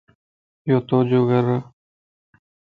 ايوَ تو جو گھر؟